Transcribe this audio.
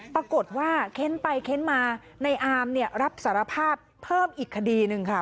ปรากฏว่าเค้นไปเค้นมาในอามเนี่ยรับสารภาพเพิ่มอีกคดีหนึ่งค่ะ